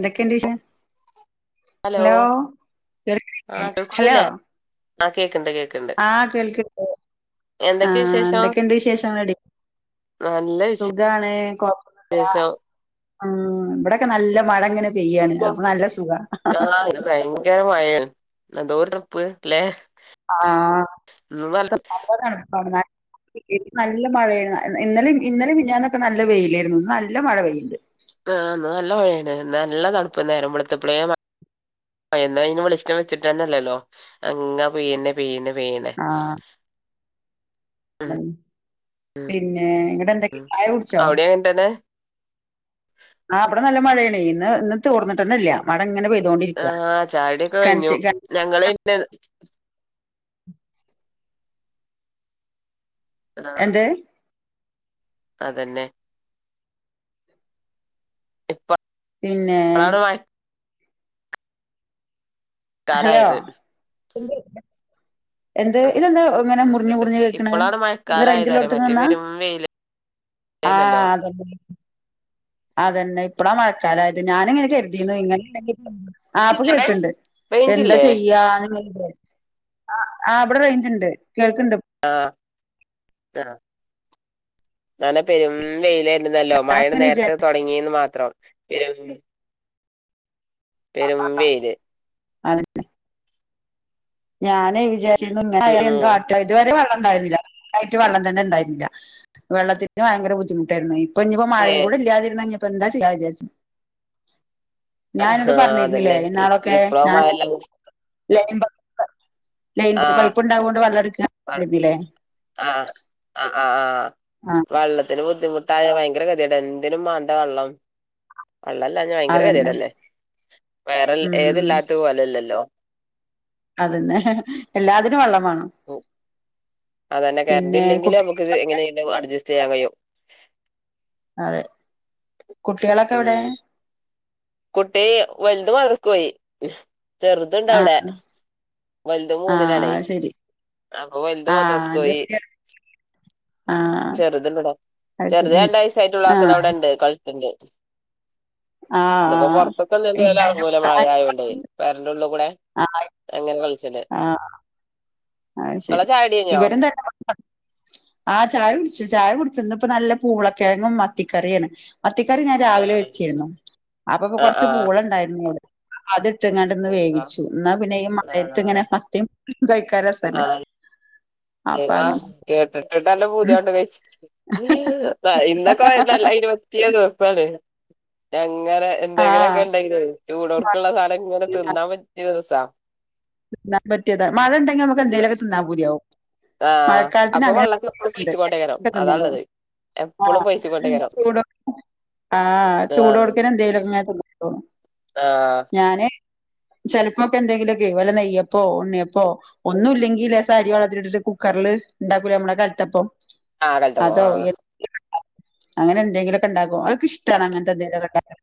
ന്തെക്കെണ്ട് വിശേ ഹലോ കേൾക്ണില്ലേ ഹലൊ ആ കേക്ക്ണ്ട് കേക്ക് ആ കേൾക്ണ്ട് ആ എന്തൊക്കെ വിശേഷം എന്തെക്കെണ്ട് വിശേഷങ്ങളടി നല്ല സുഖാണ് കൊഴപ്പന്നുല്ല വിശേഷം ഉം ബടെക്കെ നല്ല മഴങ്ങനെ ആ ഇന്ന് ഭയങ്കര മഴാണ് എന്തോരുതണുപ്പ് ല്ലേ ആ [inaudible] ഇന്ന് നല്ല ഇന്ന് നല്ല മഴയെണ് ഇന്നലിം ഇന്നലിം മിഞാന്നൊക്കെ നല്ല വെയിലേര്ന്നു ഇന്ന് നല്ല മഴ പെയ്യ്ണ്ട് ആഹ് ഇന്ന് നല്ല മഴയേണ് നല്ല തണുപ്പ് നേരംവെളുത്തപ്പളെ മ ഇന്നഅയ്ൻ വെളിച്ചം വെച്ചിട്ടെന്നല്ലല്ലോ അങ്ങാ പെയ്യന്നെ പെയ്യന്നെ പെയ്നെ ആഹ് പിന്നെ ഇങ്ങട്ടെന്തക്കെ ഉം ചായകുടിച്ചോ അവിടെ അങ്ങനെ തന്നെ ആ ഇബടെ നല്ലമഴേണ് ഇന്ന് ഇന്ന് തോർന്നിട്ടന്നെല്ല മഴങ്ങനെ പെയ് ആ ചാടിക്കെകഴിഞ്ഞു ഞങ്ങള് അയ്‌ന് [inaudible] ആ എന്ത് അതന്നെ ഇപ്പ പിന്നേ ഹലോ കാലായത് [unintelligible] എന്ത് ഇതെന്താ ഇങ്ങനെ മറ്റേ മുറിഞ്ഞഞ് മുറിഞ്ഞ് കേെക്കണ ഇപ്പളാണ് ഒന്ന് മഴക്കാലായത് അറിയ മറ്റേ റേഞ്ചിലോടത്തനിന്ന പെരും വെയില് ആഹ ന്നല്ലോ അത അതന്നെ ഇപ്പടാ മഴക്കാലംയത് ഞാന ഇങ്ങനെ കരുതിന്നു ഇങ്ങനെെങ്ക ആപ്പൊ കേക്കണ്ട് എന്താ റേഞ്ചില്ലേ ചെയ്യാന്ന് ആ ആ അവിടെ റേഞ്ച് ഇണ്ട് കേൾക്കണ്ട് ആ ഇന്നലെ പെരും വെയില ല്ലോ മഴ ഇങ്ങനെ വിചാ നേരത്തെ തുടങ്ങിയന്ന് മാത്രം പെരും ആ വെയില് അതന്നെ ഞാനേ വിചാച്ചാ ഉം ഉം [unintelligible] ഇതുവരെ ണ്ടായില്ലായിട്ട് വെള്ളം തന്നെ ഉണ്ടായിരുന്നില്ല വെള്ളത്തിന് ഭയങ്കര ബുദ്ധിമുട്ടായിരുന്നു ഇപ്പൊ ഇനിയിപ്പോ മഴയും ഏഹ് കൂടെ ഇല്ലാതിരുന്ന ഇനിപ്പോ എന്താ ചെയ്യാ വിചാരി ഞാനോട് ആഹ് പറഞ്ഞിരുന്നില്ലേ അതന്നെ ഇാളൊക്കെ ഇപ്പളോ ഞാന് മഴെല്ലാം ല ലൈൻത്തെ ആഹ് പൈപ്പ് ഉണ്ടാവുക കൊണ്ട് വെള്ളം എടുക്കാന്നില്ലേ ആ ആ ആ ആ വെള്ളത്തിന് ബുദ്ധിമുട്ടായ ഭയങ്കര ഗതിട എന്തിനും വണ്ട വെള്ളം വെള്ളം ഇല്ലാഞ്ഞ ഭയങ്കര അതന്നെ ഗതിടല്ലേ വേറെ ഏത് ഉം ഇല്ലാത്ത പോലല്ലല്ലോ ആ അതന്നെ കറണ്ടി ഇല്ലെങ്കിൽ നമുക്ക് ഇത് എങ്ങനെയും അഡ്ജസ്റ്റ് ചെയ്യാൻ കഴിയും അതെ കുട്ടികളൊക്കെ എവിടെ ഉം കുട്ടി വലുത് മദ്രസക്ക് പോയി ചെറുതു ഇണ്ട ആ അവിടെ വലുത ആ മൂന്നിലാണേ ശരി അപ്പൊ വലുത ആ എന്റെ മദ്രസ്ക്കോയി കുട്ടികൾ ആ ചെറുതണ്ട്ടാ അത് ചെറുത ശരി രണ്ട വയസായിട്ട് ആ ഉള്ളാക്കുന്നത് അവിടെണ്ട് കളിക്കണ്ട് ആഹ പുറത്തൊക്കൊന്നും എന്തായാലും ഇന്ന ഇറങ്ങൂല മഴ ആയോണ്ടേ പെരന്റെ ഉള്ളിൽ കൂടെ ആഹ [unintelligible] ആഹ നിങ്ങളെ ശരി ചായ കുടി കഴിഞ്ഞോ ഇവരും തന്നെ ആ ചായ ചായ കുടിച്ചന്ന ഇപ്പൊ നല്ല പൂളക്കിഴങ്ങും മത്തിക്കറിയാണ് മത്തിക്കറി ഞാൻ രാവിലെ വെച്ചിരുന്നു അപ്പപ്പൊ ആ ആ കൊറച്ച് ആ പൂളുണ്ടായിരുന്നുടെ അത് മുറ്റങ്ങാണ്ടന്ന് വേവിച്ചു എന്നാ പിന്നെ ഈ മഴയത്തി ഇങ്ങനെ മത്തി കഴിക്കാൻ രസണ്ട് അവ കേട്ടിട്ടിട്ടല്ലാം ഉം. പൂതിയണ്ട് കഴിച്ച ഇന്നൊക്കെ അയ്ൻ പറ്റിയ ദിവസംണ് ഇങ്ങനെ എന്തെങ്കിലുമൊക്കെ ആ ഉണ്ടെങ്കിലേ ചൂടോർക്കുള്ള സാധനം ഇങ്ങനെ തിന്നാൻ പറ്റിയ ദിവസാ പറ്റിയത മഴ ഉണ്ടെങ്കിൽ നമുക്ക് ന്തെലൊക്കെ തിന്നാൻ പൂതിയാവുമ്മം ആഹ് മഴക്കാലത്തിന് അപ്പൊ വെള്ളൊക്കെ എപ്പളും പൈച്ച്ക്കോണ്ടേക്കാരം അങ്ങനെണ്ട്ന്നണ്ടോ അതാള്ളത് ആഹ എപ്പളും പൈച്ച്ക്കോണ്ടേക്കാരം ചുടാ ആഹ ആഹ് ചൂടോടുക്കന്നെ എന്തേലും അങ്ങ തിന്നു ആഹ് ഞാന് ചിലപ്പോൊക്കെ എന്തെങ്കിലും വല നെയ്യപ്പോ ഉണ്ണിയപ്പോ ഒന്നും ഇല്ലെങ്കിൽ ലേശം അരി വെള്ളത്തിലിട്ട് കുക്കറിൽ ഉണ്ടാക്കൂല നമ്മടെ കലത്തപ്പം ആ കലത്തപ്പം അതോ ആ എന്തെ- അങ്ങനെ എന്തെങ്കിലുമൊക്കെ ഉണ്ടാക്കും അതൊക്ക ഇഷ്ടമാണ് അങ്ങനത്തെ എന്തെങ്കിലും ഉണ്ടാ-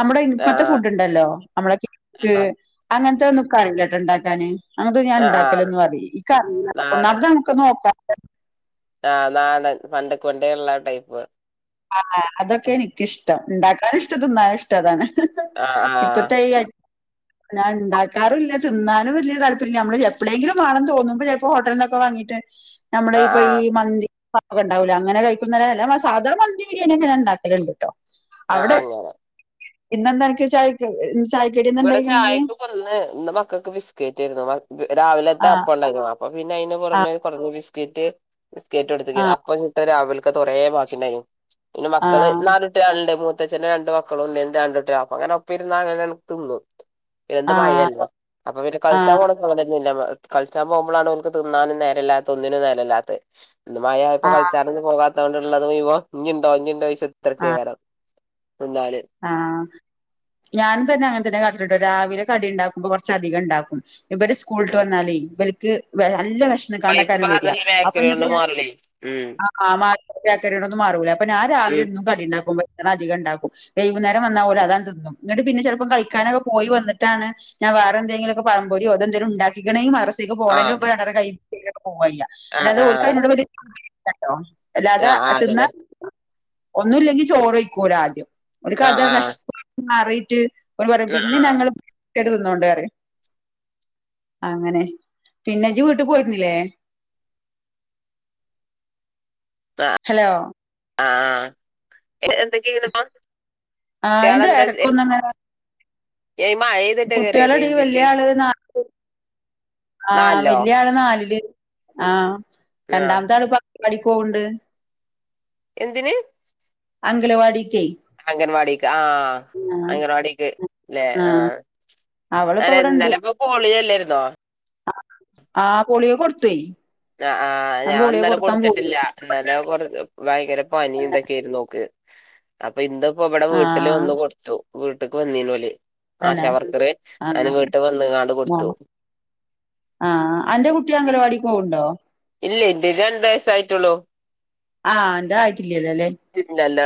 നമ്മടെ ഇപ്പോത്തെ ആഹ് ഫുഡ്ണ്ടല്ലോ നമ്മളെ കേക്ക് ആഹ് അങ്ങനത്തെ ഒന്നും എനിക്കറിയല്ലട്ടാ ഉണ്ടാക്കാന് നിക്കാറല്ലോട്ടോ ഉണ്ടാക്കാന് അങ്ങനത്തെ ഞാൻ ആഹ് ആഹ് ഉണ്ടാക്കലൊന്നും അറി ഇക്ക അറിയില്ല ഒന്നാമത്തെ നമുക്ക് നോക്കാം ആ നാടൻ പണ്ടക്കൊണ്ടേ ഉള്ള ടൈപ്പ് ആ അതൊക്കെ എനിക്കിഷ്ടം ഉണ്ടാക്കാൻ ഇഷ്ടം തിന്നാനും ഇഷ്ടം അതാണ് ആ ആ അ ഇപ്പത്തെ ഈ അരി- ഞാൻ ഉണ്ടാക്കാറില്ല തിന്നാനും വലിയ താല്പര്യമില്ല നമ്മള് എപ്പളെങ്കിലും വേണം തോന്നുമ്പോ ചിലപ്പോ ഹോട്ടലിൽ നിന്നൊക്കെ വാങ്ങും നമ്മ ആഹ് ഇപ്പൊ ഈ ആഹ് മന്തിാ [inaudible] ണ്ട അങ്ങനെ കഴിക്കുന്നല്ല സാധാ മന്തി ബിരിയണിനെ ഉണ്ടാക്കലുണ്ട് കേട്ടോ ആ അങ്ങനെ ഇന്നന്ത അനക്ക് ചായക്ക് ചായ- ഇവിടെ ചായക്ക് ഇപ്പോ ഇന്ന് മക്കൾക്ക് ബിസ്ക്കറ്റ് ആയിരുന്നു രാവിലത്ത ആഹ് അപ്പണ്ടായിരുന്നു അപ്പ പിന്നെ അതിന് പുറമെ ആഹ് കുറഞ ബിസ്ക്കറ്റ് ബിസ്ക്കറ്റ് കൊടുത്തിക്ക അപ്പം ചുട്ട് രാവിലെ കുറേ ബാക്കിണ്ടായിരുന്നു പിന്നെ മക്കള് ആഹ് നാല് കുട്ട്യാളുണ്ട് മൂത്ത- ച്ചിടെ രണ്ട് മക്കളുംഉണ്ടായിരുന്നു രണ്ടു കുട്ടികൾ ആപ്പ അങ്ങനെ ഒപ്പം ഇരുന്ന് അങ്ങനെങ്ങ് തിന്നു ഇതെന്ത് ആഹ് ആഹ് മഴല്ലോ അപ്പൊ പിന്നെ കളിച്ചാ ആഹ് പോണം അങ്ങന് കളിച്ചാൻ പോകുമ്പോഴാണ് അവർക്ക് തിന്നാനും നേരം ഇല്ലാത്തത് ഒന്നിനും നേരം ഇല്ലാത്തത് മഴ ആയപ്പോ ആഹ് കളിച്ചാനും പോ ഉള്ളത് മുഴുവൻ ഇനിണ്ടോ ഇനിണ്ടോ ചോദിച്ച് കുത്തിരിക്കേ- കാരം ആ ഞാനും തന്നെ അങ്ങനെ തന്നെ കാ രാവിലെ കടി ഉണ്ടാക്കുമ്പോ കുറച്ചധികം ഉണ്ടാക്കും ഇവര് സ്കൂളിട്ട് വന്നാലേ ഇവർക്ക് നല്ല വിശപ്പ് കാണ്ടക്കാര ഇപ്പളാണ് വരാ ഈ അപ്പൊ ബേക്കറി കൊണ്ട് ഇനിപ്പഞാൻ മാറലേ ഉം ആ മാക്കൊന്നും മാറൂല അപ്പ ഞൻ രാവിലെ ഉം എന്നും കടി ഉണ്ടാക്കുമ്പോ അധികം ഉണ്ടാക്കും വൈകുന്നേരം വന്നാ ഓല് അതാണ് തിന്ന ഇന്നിട്ട് പിന്നെ ചിലപ്പോ കളിക്കാനൊക്കെ പോയി വന്നിട്ടാണ് പിന്നെ വേറെ എന്തെങ്കിലൊക്കെ പഴം പൊരി ഉണ്ടാക്കിക്കണേ മദ്രസ പോകേണ് മുൻപേ ആഹ് രണ്ടെണ്ണം കൈയിൽ പിടിച്ച് പോവ്വാ ചെയ്യ ആഹ് അല്ലാതെ ഓല്ക്ക് അതിനോട് ആഹ് വല്യ താല്പര്യം ഇല്ലട്ടോ അല്ലാതെ ആഹ് അതന്നെ തിന്നാൻ ഒന്നും ഇല്ലെങ്കി ചോറ് കഴിക്കും ഓല ആദ്യം ഒരു കഥ ആഹ് ആഹ് വിഷമം മാറിയിട്ട് ഓല് പറയും ആഹ് പിന്നെ ആഹ് ഞങ്ങള് കുട്ടോള് തിന്നോട്ടെ എന്ന് പറയും അങ്ങനെ പിന്നെ ഇജ് വീട്ടുക്ക് പോയിരുന്നില്ലേ [inaudible] ഹലോ ആ എന്തൊക്കെ ചെയ്യണ്പ്പോ ആ എന്ത് ഇടക്കൊന്നിങ്ങനെ ഈ മഴെയ്തിട്ടേക്കാരെ കുട്ടികളടി വല്യ റേഞ്ചിന്റെ ആള് നാല് ആ നാലിലോ വല്യ ആള് നാലില് ആ ആഹ് രണ്ടാമത്തെ ആള് പഠിക്കോണ്ണ്ട് എന്തിന് അംഗനവാടിക്കെ അംഗൻവാടിക്ക് ആ അംഗൻവാടിക്ക് അല്ലെ ആഹ് ആ അവളിപ്പ ഇന്നലപ്പോ പോളിയല്ലായിരുന്നോ അ പോളിയോ കൊടുത്ത് ആ ആ ഞാൻ ഇന്നലെ കൊടുത്തിട്ടില്ല ഇന്നലെ ഭയങ്കര പനി എന്തൊക്കെയൊ ആയിരുന്നു ഓൾക്ക് അപ്പൊ ഇന്നിപ്പ ഇവിടെ വീട്ടിൽ ആഹ് വന്ന് കൊടുത്തു വീട്ടക്ക് വന്നീന് ഓല് ആശ തന്നെ വർക്കർ ആഹ് അങ്ങനെ വീട്ട് വന്നങ്ങാണ്ട് കൊടുത്തു ആ അന്റെ കുട്ടി അംഗലവാടിക്ക് പോക്ണ്ടോ ഇല്ല ഇല്ല ഇ രണ്ട് വയസായിട്ടുള്ളൂ ആ എന്താ ആയിട്ടില്ലല്ലോ അല്ലെ പിന്നെല്ല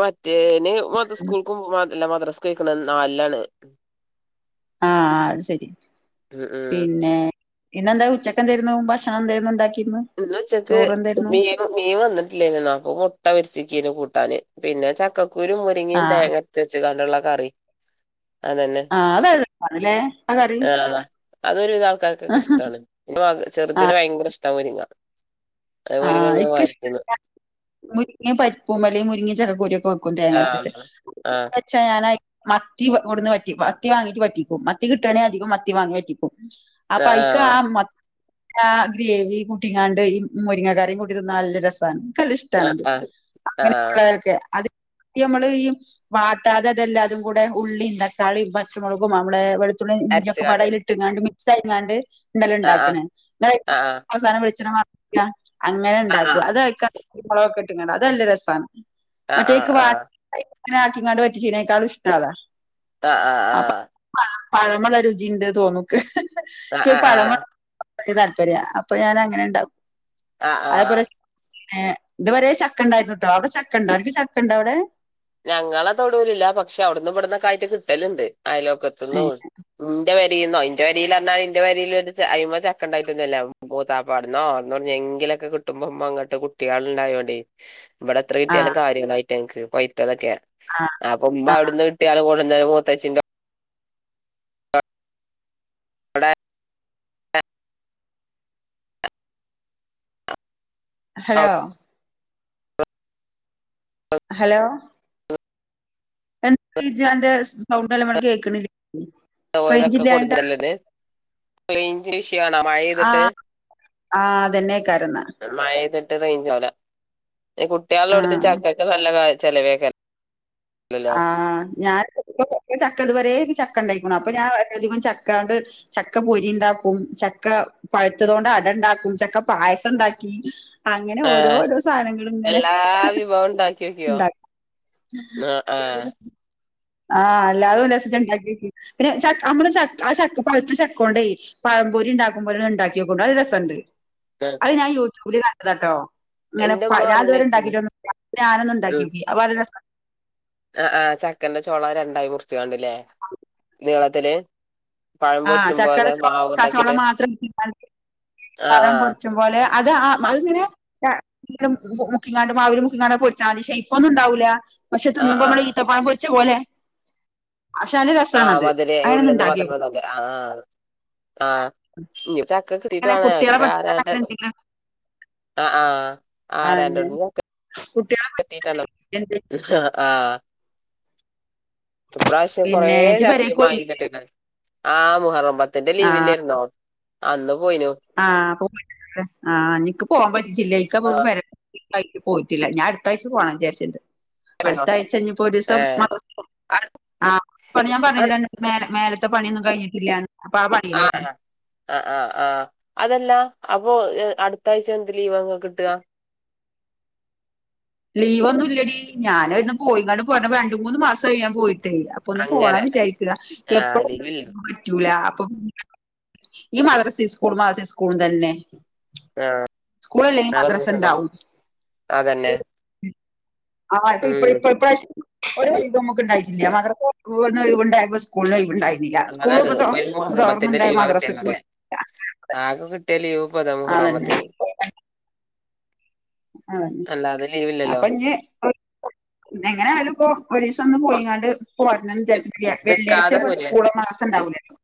മറ്റേന് ഉം മതസ്കൂൾക്ക് എല്ല മദ്രസ് കഴിക്കണ നല്ലാണ് ആഹ അത് ശരി ഉം ഉം പിന്നെ പിന്നെന്താ ഉച്ചക്ക തരുന്നുന്ന് പോുമ്പോ ഷാന് തരുന്നുണ്ടാക്കി ഇന്ന് വെച്ചക്ക് മീ മീൻ വന്നിട്ടില്ലേന നക്ക മുട്ട പരിച്ചിക്ക കൂട്ട കട്ടാന് പിന്നെ ചക്കക്കൂരും മുരിങ്ങിയും ആഹ് തേങ്ങച്ച വെച്ച കണ്ടുള്ള കറി അതന്നെ ആഹ അതഴതറല്ലേ ആ കറി അത ഒരുധ ആൾക്കാർക്കൊക്കെ ഇഷ്ടമാണ് പി ചെറുതിിനെ ആഹ് ഭയങ്കര ഇഷ്ട വങ്ങ അതുപോലങ്ങങ്ങെ വരത്തന്ന് മുരിങ്ങിയയും പരിപ്പൂുമലയും മുരിങ്ങിയ ചക്കോരി ഒക്കെ വെക്കും തേങ്ങ അച്ചട്ട് ആഹ് ആഹ് വെച്ച ഞൻ മത്തിടന്ന് പറ്റി മത്തി വാങ്ങിട്ട് പറ്റിക്കും മത്തി കിട്ടണെങ്ക അധം മത്തി വാങ്ങി പറ്റിക്കും ആഹ് അപ്പയിക്ക ആഹ് മ ഗ്രേവി കുട്ടങ്ങാണ്ട് മുരിങ്ങ കറിയും കൂടിന്ന നല്ല രസമാണ് കല്ല ഇഷ്ടണത് ആഹ് ആഹ് അങ്ങനെയുള്ളൊക്കെ അ നമ്മള് ഈ വാട്ടാതെ തെല്ലാതും കൂടെ ഉള്ളിമ് തക്കാളിമ് പച്ചമുളകും നമ്മളെെ വെള് ഇഞ്ചൊക്കെ അരച്ച്കാണ്ട് പടൽിട്ട ഇങ്ങാണ്ട് മിക്സ് ആ ഇങ്ങാണ്ട് ഉണ്ടല ആഹ് ഉണ്ടാക്കണ് ആഹ് അവസാനം വിളിച്ച [unintelligible] അങ്ങനെ ആഹ് ണ്ടാകും അത് വഴക്കാ മുളകൊക്കെ ഇട്ടിങ്ങ അത് നല്ല രസാ ണ് ആഹ് മറ്റേക്ക് ആഹ് ആഹ് ങ്ങനെ ആക്കിങ്ങാണ്ട് പറ്റ ചീനേക്കാളും ഇഷ്ടതാ ആ ആ ആ പഴമള്ള രുചിണ്ട് തോന്നൂക്ക് ക്ക് ഈ ആഹ് ആഹ് ആഹ് ആഹ് ആഹ് പഴമ ആഹ് താല്പര്യം അപ്പൊ ഞാന അങ്ങനെ ണ്ടാക്കും ആ ആ ആ ഏ ഇതുവരെ ചക്ക ണ്ടായിരുന്നു ട്ടോ അവിടെ ചക്ക ണ്ടോ അനക്ക് ചക്ക ണ്ടോ അവടെ ഞങ്ങളെ തൊടുലില്ല പക്ഷെ അവിടുന്ന് ഇവിടുന്ന കായിട്ട കിട്ടലുണ്ട് അയലോക്കെ ഏ, എത്തുന്നു ന്റെ പേ രിന്നോ ന്റെ വരിൽ അറഞ്ഞാല് ന്റെ വരിൽ അ്മ ചക്കണ്ടായിട്ടൊന്നല്ല മൂത്താപ്പാടന്നോ അവടന്നെവടന്നെ ക്കെ കിട്ടുമ്പോ മ്മ ങ്ങട്ട് കുട്ടിആൾണ്ടായോണ്ടേ ഇവിടെ എത്ര ആ കിട്ടിയാലും കാര്യങ്ങളായിറ്റങ്ങക്ക് പൈറ്റതൊക്കെ ആ അപ്പൊ മ്മ ആ അവിടുന്ന് കിട്ടിയാലും കൊ ന്നലെ മൂത്തച്ചി ന്റോ അടെ ഹലോ ഹലോ സൗണ്ടല്ല മ കേൾക്കണില്ലേ ഓലൊക്കെ കൊടുഞ്ഞല്ലെത് [unintelligible] യാണോ ആ മഴയ്തിട്ട് ആ അതന്നെ കാരണ മഴയ്തിട് [unintelligible] ആ കുട്ടിആളില്ലോടത് ചക്കക്കെ നല്ല കാ ചെലവാകേരം ആഹ് ഞാൻ ചക്കതു വരെ ക്ക് ചക്കണ്ടയ്ക്കുണു അപ്പൊ ഞാൻരധികം ചക്കണ്ട് ചക്ക പൊരി ണ്ടാക്കും ചക്ക പഴുത്തതണ്ട് അടണ്ടാക്കും ചക്ക പായസം ണ്ടാക്കി അങ്ങനെ ഓരോ ഏഹ് ഓരോ സാനങ്ങള് ഇങ്ങനെ എല്ലാ വിഭവം ണ്ടാക് ആ ആഹ് അല്ലാതെ ഉനസ ഉണ്ടാക്കി പിന്നെ ച നമ്മള് ച ആ ച പഴുത്ത ചക്ക ഉണ്ടേ പഴ പമ്പൊരി ഉണ്ടാക്കുമ്പോലെ ണ്ടാക്കിയക്കൊണ്ടി അത് രസംണ്ട് ആഹ് അത് ഞാൻ യൂട്യൂബില് കണ്ടതട്ടോ അങ്ങനെ എന്റെ പ ഉമ്മ ഞാ ഇതുവരെ പറഞ്ഞേട്ടില്ലേ ഉണ്ടാക്കിട്ടന്നുള്ള പ്പനാനോന്ന് ണ്ടാക്കി ഓക്കി അപ്പ അല്ല രസ ആ ആഹ് ചക്കൻന്റെ ചോള രണ്ടായി മുറിച്ചണ്ടില്ലേ നീളത്തില് പഴം ആഹ് പൊരിച്ചും ചക്കട പോലെ ചോള മാവ് ചച്ചോള ഉണ്ടാക്കിട്ട് മാത്രം ആഹ് പഴം ആഹ് പൊരിച്ചും പോലെ അത് അ അത്ങ്ങനെ മുക്കിങ്ങാണ്ടും മാവിലും മുക്കിങ്ങാണ്ട പൊരിച്ചാമതി ഷൈപ്പ് ഒന്നും ഉണ്ടാവൂല്ല പക്ഷെ ആഹ് തിന്നുംപമ്മള ആഹ് ആഹ് ഇത്തപ്പഴം പോരിച്ച പോലെ പക്ഷെ നല്ല ആഹ രസാണത്. മധുര അങ്ങനെ ഉള്ളിൽ ഒന്ന് നിന്ന് ഉണ്ടാക്കിയോക്ക്. മധുരമതൊെ ആ ആ ആ കിട്ടീട്ട് അങ്ങനെ കുട്ടികളെ വണഞാക്ക് പറ്റിക്കാൻ ആരാന്റെ അങ്ങനെ എന്തെങ്കിലും ആ ആ ആഹ് ആരാന്റോ കുട്ടികളെ [unintelligible] ആ ഇപ്രാവശ്യം കൊറേ പിന്നെ ഇജ്ജ് പെരേക്ക് ചക്കേം പോയി മായി കട്ടിന് ആ മുഹറം മ്പത്തിന്റെ ലീവില്ലാരുന്നോ അന്നും ആ ആ [inaudible] ഇനിക്ക് പോവാൻ പറ്റില്ല ഇങ്കപ്പോക്കിന് പെര പോയിട്ടില്ല ഞാൻ അടുത്താഴ്ച പോണം വിചാരിച്ചിട്ടുണ്ട് അടുത്ത ആഹ് ആഴ്ച ഇഞ്ഞിപ്പം ഒരു ദിവസം ഏഹ് ആ ഞാൻ പറഞ്ഞണ്ട് മേലെ ഇത്തെ പണിയൊന്നും കഴിഞ്ഞിട്ടില്ല ആ ആ ആ ആ ആ അതല്ല അപ്പൊ അടുത്താഴ്ച എന്ത് ലീവാങ്ങ്ക്ക് കിട്ട ലീവ് ഒന്നുമില്ലടി ഞാന് ഇന്ന് പോയിങ്ങണ്ട് പോയി രണ്ട് മൂന്ന് മാസം ആയി ഞാൻ പോയിട്ട് അപ്പൊ ഒന്ന് അങ്ങനെ പോണം വിചാരിക്കുക ആഹ് എപ്പഴും ലീവില്ല പറ്റൂല ഈ മദരസി സ്കൂൾ മദരസി സ്കൂൾ തന്നെ ആ സ്കൂളില്ലെങ്കിൽ മദ്രസ ഉണ്ടാവും അതന്നെ ആ ഉം ഇപ്പഴിപ്രശ്യം ഒരൊയ്വും നമുക്ക് ഉണ്ടായിട്ടില്ല മാദ്രസോവ്ണ്ടായ സ്കൂളോയ് വ് ണ്ടായില അള്ളത് ഇപ്പൊ ഈ മുഹറമ്പത്തിന്റെ ലീവ മദ്രസക്കും കിട്ടിയല്ലേ ആകെ കിട്ടിയ ലീവ് അതന്നെ തമഹറമത്തിന [unintelligible] അതന്നെ അല്ല അതില് അപ്പൊ ഇഞ്ഞി എങ്ങനെ ആയാലും ഇപ്പൊ ഒരീസം ഒന്ന് അപ്പൊ പോയിങ്ങാണ്ട് പോരണം എന്ന് നി- ചാരിച്ചിരിക്ക വെള്ളിയാഴ്ച നിക്കാതെ പ്പോ പോരെ സ്കൂൾ മാദർസ് ണ്ടാവൂല്ലല്ലോ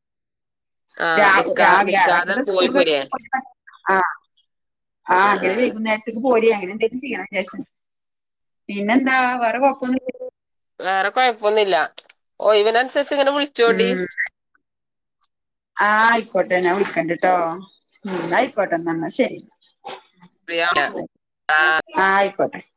രാ ആഹ് നിക്കാ ആ നിക്കാതെ വ്യാഴാഴ്‌ചത്തെ സ്കൂൾ പോയി പോരെ കഴിഞ് പ്പോ ഇങ്ങനെ - ആഹ ആ ആഹ് അങ്ങനെ ആഹ് വൈകുന്നേരത്തേക്ക് പോര് അ എന്തിലും ചെയ്യണം എന്ന് വിചാരിച്ച് പിന്നെന്താ വേറെ കൊഴപ്പോന്നും ഇല്ലല്ലോ വേറെ കൊഴപ്പൊന്നുമില്ല ഓയ് വിനനുസരിച്ച് ഇങ്ങനെ വിളിച്ചോണ്ടി ഉം ആ ആയിക്കോട്ടെ ഞാൻ വിളിക്കണ്ട്ട്ടോ ന്നാ ആയിക്കോട്ടെന്ന ശെരി ഫ്രീ ആവട്ടെ ആ